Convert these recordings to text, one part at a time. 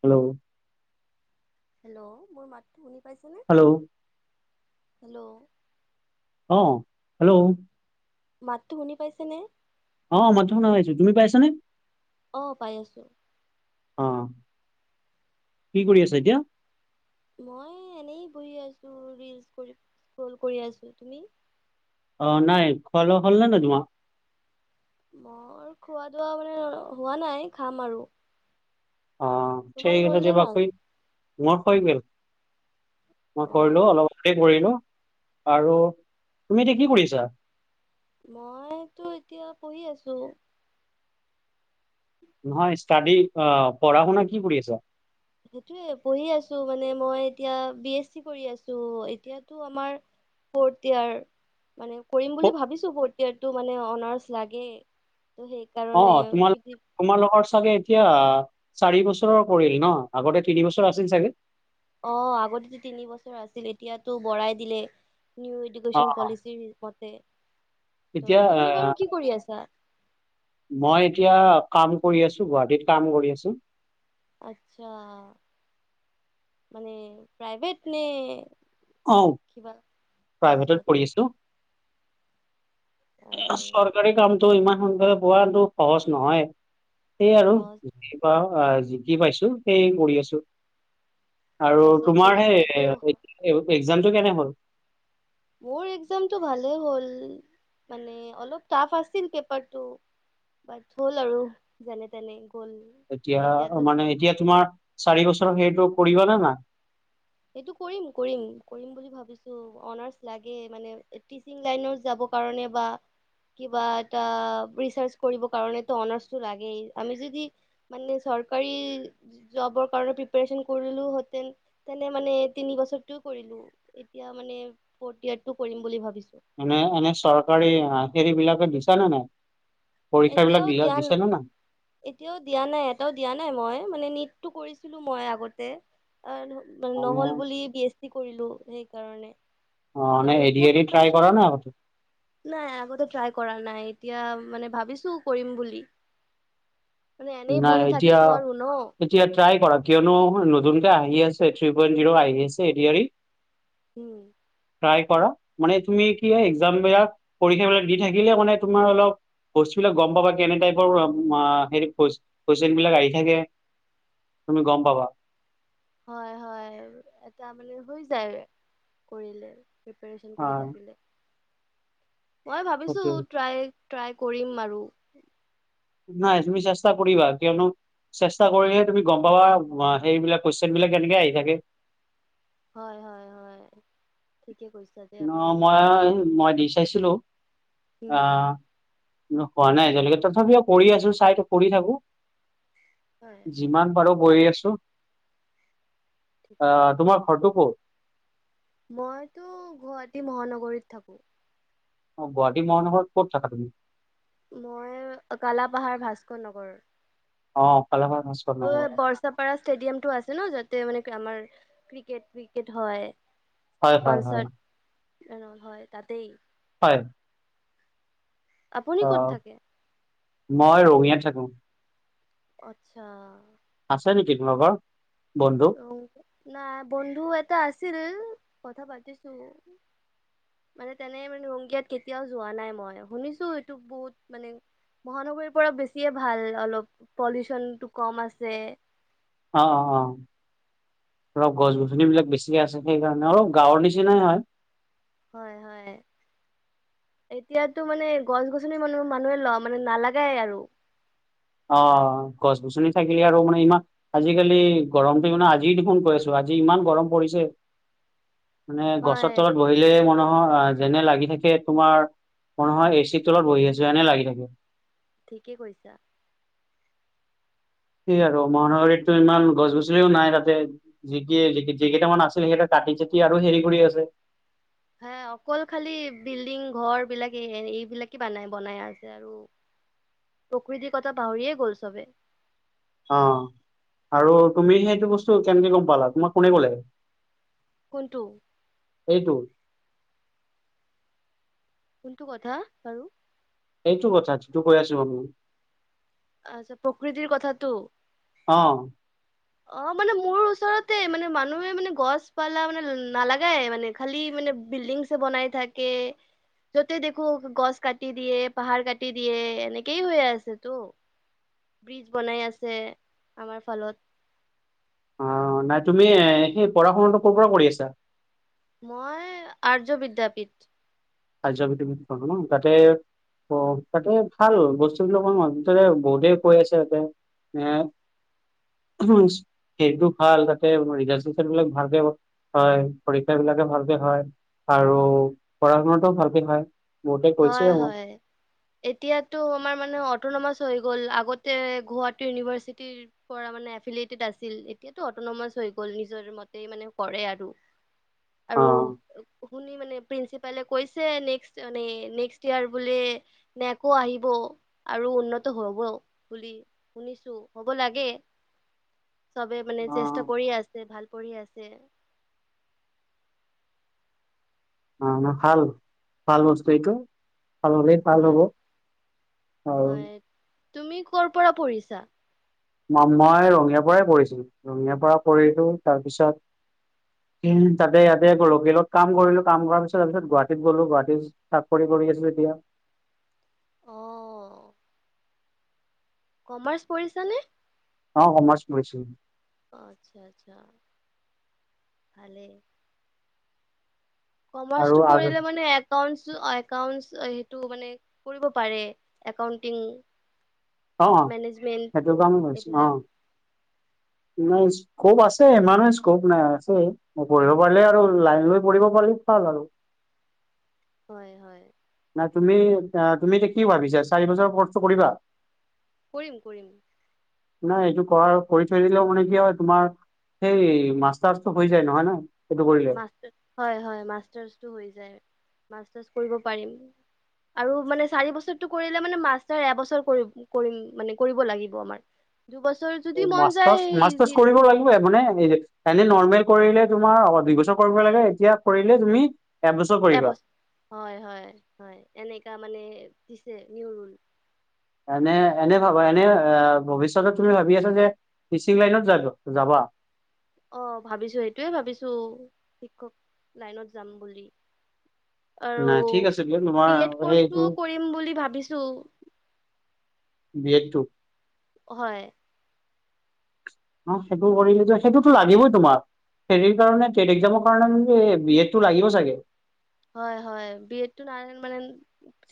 Hello. Hello মোৰ মাতটো শুনি পাইছেনে? Hello hello. অ' হেল্ল'। মাতটো শুনি পাইছেনে? অ' মাতটো শুনা পাইছোঁ। তুমি পাইছানে? অ' পাই আছোঁ। অ' কি কৰি আছে এতিয়া? মই এ, এনেই বহি আছোঁ, ৰিল স্ক্ৰল কৰি আছোঁ। তুমি? অ' নাই। খোৱা লোৱা হ'ল নে নাই তোমাৰ? মোৰ খোৱা দোৱা মানে হোৱা নাই, খাম আৰু। অ' তোমাৰ ঠিক হ'ল আছে নে দিবাক, নাই? মই কৈগে মই অ কৰিলোঁ, অলপ আগতে কৰিলোঁ। আৰু তুমি এতিয়া কি কৰিছা? মইতো এতিয়া পঢ়ি আছোঁ। নহয় ষ্টাডি, অ' পঢ়া শুনা কি কৰি আছা? সেইটোয়ে, পঢ়ি আছোঁ, মানে মই এতিয়া বি এছ চি কৰি আছোঁ। এতিয়াতো আমাৰ ফৌৰ্থ য়াৰ। মানে কৰিম বুলি ক- ভাবিছোঁ, ফৌৰ্থ য়াৰটো মানে অনাৰ্চ লাগেই। ত' অ সেইকাৰণে তোমাৰ যদি তোমালোকৰ চাগে এতিয়া চাৰি বছৰ কৰিল ন'? আগতে তিনি বছৰ আছিল চাগে। অ' আগতেতো তিনি বছৰ আছিল, এতিয়াতো বঢ়াই দিলে। নিউ অ এডুকেচন অ পলিচিৰ মতে। ত' এতিয়া তুমি আহ, বাৰু কি কৰি আছা? মই এতিয়া কাম কৰি আছোঁ, গুৱাহাটীত কাম কৰি আছোঁ। আচ্ছা, মানে প্ৰাইভেট নে অ' কিবা আচ্ছা প্ৰাইভেটত আচ্ছা কৰি আছোঁ। নাই বাৰু চৰকাৰী কামটো ইমান সোনকালে পোৱাটো সহজ নহয়। সেই আৰু অ যি পাওঁ, যি কি পাইছোঁ, সেই কৰি আছোঁ। আৰু সঁচাকে তোমাৰ এতিয়াতো হে এক্সামটো কেনে হ'ল? মোৰ এক্সামটো ভালেই হ'ল। মানে অলপ টাফ আছিল পেপাৰটো, বাট হ'ল আৰু যেনেতেনে। এতিয়া মানে এতিয়া তোমাৰ চাৰি বছৰ সেইটো কৰিব নে নাই? এইটো কৰিম কৰিম কৰিম বুলি ভাবিছোঁ। অনাৰ্চ লাগেই মানে টিচিং লাইন যাব টো কাৰণে বা কিবা এটা ৰিচাৰ্ছ কৰিব কাৰনেতো অনাৰ্চতো লাগেই। আমি যদি মানে ওচৰত চৰকাৰী জবৰ কাৰনে প্ৰিপাৰেচন কৰিলোঁ হেঁতেন তেনে মানে তিনি বছৰটোয়ে কৰিলো, এতিয়া মানে ফৰ্থ ইয়াৰটো কৰিম বুলি ভাবিছো। তই দিছা নে নাই? পৰীক্ষা বিলাক এতিয়াও দি দিয়া ন, দিছে নে নাই এতিয়াও দিয়া নাই এটাও দিয়া নাই মই মানে নীত টো কৰিছিলো মই আগতে, [unintelligible] দেন মানে নহ'ল বুলি বি এছ চি কৰিলো সেইকাৰণে। অ এনে আৰু এ দি এতিয়া আৰ ই ট্ৰাই প্ৰিপেৰেচন কৰা নাই আগতেও? নাই আগতে ট্ৰাই কৰা নাই। এতিয়া মানে ভাবিছো কৰিম বুলি। মানে এনেই নাই বহি এতিয়া, থাকিব আৰু ন এতিয়া ট্ৰাই কৰা কিয়নো নতুন আহি আছে থ্ৰী পইণ্ট জিৰ' আহি আছে A D R E. Um try কৰা মানে তুমি কি হয় একজাম বিলাক পৰীক্ষা বিলাক দি থাকিলে মানে তোমাৰ অলপ বস্তু বিলাক গম পাবা কেনে টাইপৰ আ হেৰি কুৱেছ কুৱেশ্চন বিলাক আহি থাকে তুমি গম পাবা। হয় হয় এটা মানে হৈ যায় কৰিলে, প্ৰিপেৰেচন অ কৰি থাকিলে। মই ভাবিছো সেইটো ট্ৰাই, ট্ৰাই কৰিম আৰু। নাই তুমি চেষ্টা কৰিবা কিয়নো চেষ্টা কৰিলেহে তুমি গম পাবা সেইবিলাক কুৱেশ্চন বিলাক কেনেকে আহি থাকে। হয় হয় হয়। ঠিকে কৈছা দেই অ আপুনি মই, মই দি চাইছিলোঁ। উম আহ হোৱা নাই এতিয়ালৈকে তথাপিও কৰি আছো চাইতো কৰি থাকো, হয় যিমান পাৰো কৰি আছোঁ, ঠিকে আহ তোমাৰ ঘৰটো ক'ত? মইতো গুৱাহাটী মহানগৰীত থাকো। অ গুৱাহাটী মহানগৰত ক'ত থাকা তুমি? মই কালাপাহাৰ ভাস্কৰ নগৰৰ। অ কালাপাৰ অ বৰচাপাৰা ষ্টেডিয়াম টো আছে ন যতে মানে আমাৰ ক্ৰিকেট ৱিকেট হয়। হয় হয় হয় কনচাৰ্ট [unintelligible] হয় তাতেই। হয় আপুনি অ, ক'ত থাকে মই ৰঙিয়াত থাকো। আত্ছা আছে নেকি তোমালোকৰ? বন্ধু অ নাই বন্ধু এটা আছিল, কথা পাতিছো। মানে তেনে মানে ৰংগীয়াত কেতিয়াও যোৱা নাই মই, শুনিছো এইটো বহুত মানে মহানগৰীৰ পৰা বেছিয়ে ভাল অলপ পলিউচনটো কম আছে। অ অ অ [unintelligible] গছ-গছনিবিলাক বেছিয়ে আছে সেইকাৰণে, অলপ গাঁৱৰ নিচিনাই হয়। হয় হয় এতিয়াতো মানে গছ গছনি মানুহ মানুহে ল মানে নালাগাই আৰু। অ গছ-গছনি থাকিলে আৰু মানে ইমান আজিকালি গৰমটো মানে আজি দেখোন পাই আছো আৰু আজি ইমান গৰম পৰিছে মানে গছৰ হয় তলত বহিলে মানহৰ যেনে লাগি থাকে তোমাৰ [unintelligible] এ চিৰ তলত বহি আছো এনে লাগি থাকে। ঠিকেই কৰিছা। সেই আৰু মহানগৰীততো ইমান গছ-গছনিও নাই তাতে যি কিয়ে যি কেইটামান আছিলে সেকেটা কা কাটি-চাতি আৰু হেৰি কৰি আছে। হে অকল খালি বিল্ডিং ঘৰ বিলাক এইবিলাকে বানাই বনাই আছে আৰু। প্ৰকৃতিৰ কথা পাহৰিয়ে গ'ল চবে। অ আৰু তুমি সেইটো বস্তু কেনেকে গম পালা তোমাক কোনে ক'লে? কোনটো? [unintelligible] কোনটো কথা বাৰু? এইতো কথা যিটো কৈ আছোঁ আমি। আচ্ছা প্ৰকৃতিৰ কথাটো। অ'। অ', মানে মোৰ ওচৰতে মানে মানুহে মানে গছ পালা মানে নালাগায় মানে খালি ম মানে বিল্ডিংছ বনাই থাকে। যতে দেখোঁ গছ কাটি দিয়ে, পাহাৰ কাটি দিয়ে এনেকেই হৈ আছেতো। ব্ৰিজ বনাই আছে আমাৰ ফালত। অ', নাই তুমি সেই পঢ়া শুনাটো ক'ৰ পৰা কৰি আছা? মই আৰ্য বিদ্যাপীঠ। আৰ্য বিদ্যাপীঠ ন তাতে অ', তাতে ভাল বস্তু বিলাক অকমান মাজতে বহুতেই কৈ আছে ইয়াতে। এ [unintelligible] সেইটো ভাল তাতে ৰিজালট-চিজাল বিলাক ভালকে হয়, পৰীক্ষা বিলাকো ভালকে হয়। আৰু পঢ়া শুনাটোও ভালকে হয়। বহুতে কৈছে হয়, মোক হয় এতিয়াটো আমাৰ মানে অটনমাছ। হৈ গ'ল, আগতে গুৱাহাটী ইউনিভাৰ্ছিটি পৰা মানে আফাইলটি আছিল, এতিয়টো আটো হৈ গ'ল নিজৰ মতে মানে কৰে আৰু। [unintelligible] আৰু শুনি মানে প্ৰিন্সিপালে কৈছে নেক্স মানে। নেক্সট ইয়াৰ বোলে নেকৌ আহিব আৰু উন্নত হ'ব বুলি শুনি ছো হ'ব লাগে। ই চব মানে চেষ্টা কৰি আছে, ভাল কৰিয়ে আছে। অ', ভাল, ভাল বস্তু এটো। ভাল হলে ভাল হয় হ'ব আৰু। হয় তুমি কৰ পৰা পঢ়িছা? ম-মই ৰঙিয়াৰ পৰাই পঢ়িছোঁ, ৰঙিয়াৰ পৰা পঢ়িলোঁ তাৰপিছত। তাতে ইয়াতে কৰিলোঁ লোকেলত কাম কৰিলোঁ, কাম কৰাৰ পিছত তাৰ পিছত গুৱাহাটীত গ'লো গুৱাহাটী চাকৰি কৰিলোঁ। কৰি আছোঁ এতিয়া। অ'। কমাৰ্চ পঢ়িচা নে? অ', কমাৰ্চ পঢ়িছোঁ। অ', আচ্ছা, আচ্ছা ভালেই। কমাৰ্চ আৰু টো কৰিলে আগ- মানে এ একাউন্ট, একাউন্ট সেইটো মানে কৰিব পাৰে একাউন্টিং। অ', মেনেজমেন্ট সেইটো কাৰণে লৈছোঁ এইবিলাক অ'। নাই স্কপ আছে, ইমান স্কপ নাই আছে পঢ়িব পাৰিলে আৰু লাইন লৈ পঢ়িব পাৰি। ভাল আৰু। হয়, হয়। নাই তুমি অ', তুমি এতিয়া কি ভাবিছাঁ, চাৰি বছৰৰ কৰ্ছটো কৰিবা? কৰিম, কৰিম। নাই, এইটো কৰা কৰি থৈ দিলেওঁ মান কি হয় তোমা সেই মাষ্টাৰ্ছটো হৈ যায় নহয় ন? এইটো কৰিলে হয়, হয় মাষ্টাৰ্ছটো হৈ যায়, মাষ্টাৰ্ছটো কৰিব পাৰিম। আৰু মানে চাৰি বছৰটো কৰিলে মানে মাষ্টাৰ এবছৰ কৰিম মানে কৰিব লাগিব মানে। দুবছৰ। যদি মন যায় মাষ্টাৰ্ছ, মাষ্টাৰ্ছ ইজি কৰিব লাগিব মানে এ, এনে নৰ্মেল কৰিলে তোমাৰ দুই বছৰ কৰিব লাগে এতিয়া কৰিলে তুমি। এবছৰ, হয় হয় হয় এনেকা মানে দিছে নিউ ৰুল। এনে, এনে ভাবা এনে ভৱিষ্যত তুমি ভাবি আছা যে। টিচিং লাইনত যোৱাটো যাবা। অ ভাবিছোঁ, সেইটোয়ে ভাবিছোঁ শিক্ষক লাইনত যাম বুলি। আৰু নাই ঠিক আছে দিয়া তোমাৰ বি এড সেইটো কৰ্চটোও কৰিম বুলি ভাবিছোঁ। বি এড টো। হয়। অ সেইটো কৰিলে যে সেইটোতো লাগিবই তোমাক। হেৰীৰ কাৰণে টেট এক্সামৰ কাৰণে বি এডটো লাগিব চাগে। হয় হয় বি এডটো। [unintelligible]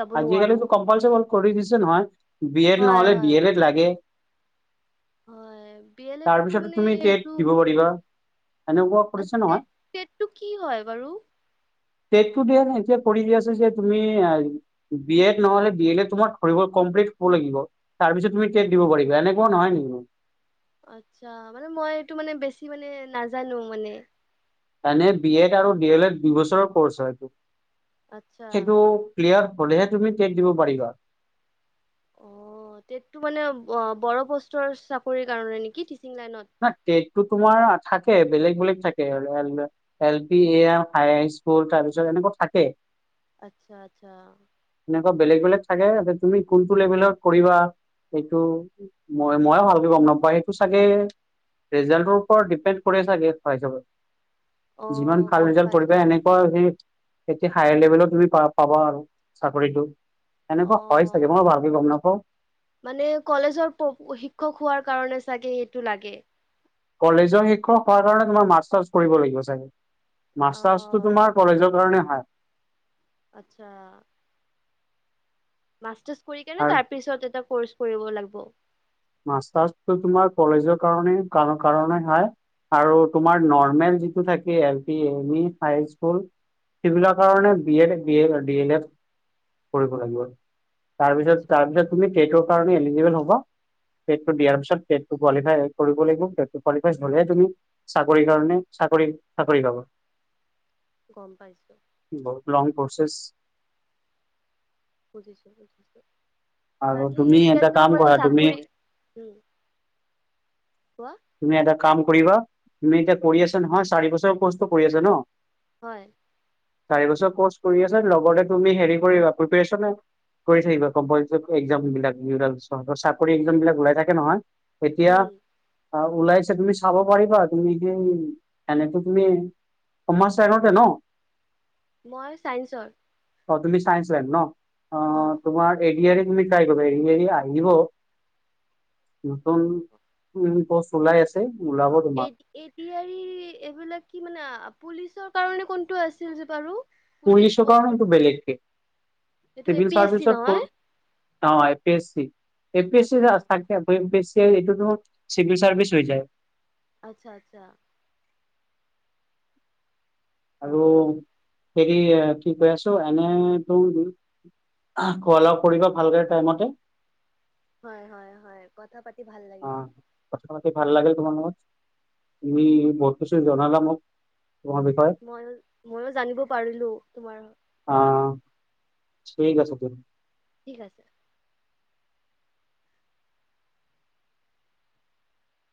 যাব নোৱাৰো আজিকালি কম্পালচাৰি কৰি দিছে নহয় বি এড হয় নহলে ডি হয় এল এড লাগে। হয় বি এল এডটো তাৰপিছতো মানে তুমি টেট এইটো দিব পাৰিবা এনেকুৱা কৰিছে নহয় টেট টেটটো কি হয় বাৰু। টেটটো দিয়া নাই এতিয়া কৰি যে আছোঁ যে তুমি। বি এড নহলে বি এল এড তোমাৰ ধৰিব কমপ্লট হ'ব লাগিব তাৰ পিছত তুমি টেট দিব পাৰিব এনেকুৱা নহয় নহয়। [unintelligible] আচ্ছা মানে, মই এইটো মানে বেছি মানে নাজানো মানে। এনে বি এড আৰু ডি এল এড দুই বছৰৰ কৰ্চ হয়। আচ্ছা সেইটো ক্লিয়াৰ হ'লেহে তুমি টেট দিব পাৰিবা। অ টেটটো মানে অ বৰো পষ্টৰ চাকৰি কাৰণে নেকি। লাইনত? [unintelligible] টেটটো তোমাৰ থাকে। বেলেগ বেলেগ থাকে এ এল পি এ আৰ হাই স্কুল তাৰ পিছত এনেকুৱা থাকে। আচ্ছা আচ্ছা। [inaudible] এনেকুৱা বেলেগ বেলেগ থাকে তুমি কোনটো লেভেলত কৰিবা। সেইটো মই, মইও ভালকৈ গম নাপাওঁ, সেইটো চাগে। ৰিজাল্টৰ ওপৰত ডিপেণ্ড কৰি চাগে কোৱা হিচাপত। যিমান অ' ভাল গম ৰিজাল্ট কৰিবা পাইছো গম এনেকুৱা পাইছো সেই। তেতিয়া হায়াৰ লেভেলত তুমি পাব-পাবা আৰু চাকৰিটো এনেকুৱা হয় চাগে অ' মই ভালকে গম। নাপাওঁ মানে কলেজৰ শিক্ষক হোৱাৰ কাৰণে চাগে এইটো লাগে। কলেজৰ শিক্ষক হোৱাৰ কাৰণে তোমাৰ মাষ্টাৰ্চ কৰিব লাগিব চাগে। মাষ্টাৰছটো অ' তোমাৰ কলেজৰ কাৰণে হয়। আচ্ছা। [inaudible] মাষ্টাৰছ কৰি কেনে আৰু তাৰপিছত এটা কৰ্চ কৰিব লাগিব। মাষ্টাৰছটো তোমাৰ কলেজৰ কাৰণে কা-কাৰণে হয়। আৰু তোমাৰ নৰ্মেল যিটো থাকে L P, M E high school. সেইবিলাক কাৰণে B Ed B A D L Ed কৰিব লাগিব। তাৰপিছত আচ্ছা আচ্ছা তাৰপিছত তুমি টেটৰ কাৰণে এলিজিবেল হবা। টেটটো দিয়াৰ পিছত টেটটো কোৱালিফাই কৰিব লাগিব টেটটো কোৱালিফাইড হ'লেহে তুমি চাকৰিৰ কাৰণে। চাকৰি, চাকৰি পাব গম পাইছো বহুত লং প্ৰচেচ। বুজিছো বুজিছো। আৰু বাকী তুমি এটা এতিয়াটো কাম মানে কৰা তুমি চাকৰি উম। [inaudible] তুমি এটা কাম কৰিবা তুমি এতিয়া কৰি আছা নহয় চাৰি বছৰ কৰ্ছটো কৰি আছা নহ। হয়। [inaudible] চাৰি বছৰ কৰ্চ কৰি আছ লগতে তুমি হেৰি কৰিবা প্ৰেপ্ৰাৰেচন। কৰি থাকিব কম্পেটিটিভ এক্সাম বিলাক চাকৰি এক্সামবিলাক ওলাই থাকে নহয়। উম এতিয়া। ওলাইছে তুমি চাব পাৰিবা তুমি কি এনেতো তুমি। [unintelligible] চাইদতে নহ। [unintelligible] মই চাইন্সৰ। অ তুমি চাইন্স লাইন ন অ তোমাৰ এ দি ৰ ত িাই গৰিৰি আহিব নতন উ [unintelligible] কৰ্চ ওলাই আছে ওলাব এ তোমাৰ। ডী ৰ ই এইবিলাক কি মানে পুলিচৰ কাৰণে কোনটো আছিল যে বাৰু পুলিচ পুলিচৰ কাৰণে সেইটো পষ্টৰ বেলেগ কে এইটো এ চিভিল পি এছ চি চাৰ্ভিচৰ ত নহয় এ পি চ চি অ আচ্ছা পি স [unintelligible] এইটো দেখু চিভিল চাৰ্ভিচ হৈ যায় আচ্ছা আচ্ছা গম আৰু পালো হেৰি কি কৈ আছো এনেতো খোৱা লাও কৰিবা ভালকে টাইমতে হয় হয় হয় কথা পাতি ভাল অ লাগিল কথা ভাল লাগিল তোমাৰ লগত, তুমি বহুত কিছু জনালা মোক তোমাৰ বিষয়ে, ময়ো ময়ো জানিব পাৰিলো তোমাৰ পৰা আহ ঠিক আছে দিয়া ঠিক আছে